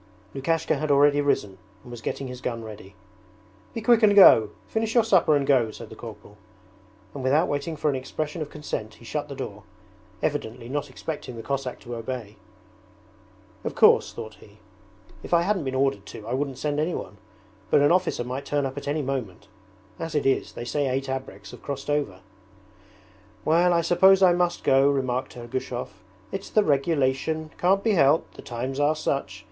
Lukashka had already risen and was getting his gun ready. 'Be quick and go! Finish your supper and go!' said the corporal; and without waiting for an expression of consent he shut the door, evidently not expecting the Cossack to obey. 'Of course,' thought he, 'if I hadn't been ordered to I wouldn't send anyone, but an officer might turn up at any moment. As it is, they say eight abreks have crossed over.' 'Well, I suppose I must go,' remarked Ergushov, 'it's the regulation. Can't be helped! The times are such.